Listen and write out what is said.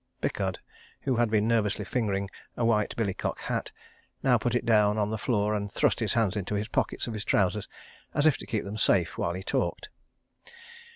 Pickard, who had been nervously fingering a white billycock hat, now put it down on the floor and thrust his hands into the pockets of his trousers as if to keep them safe while he talked.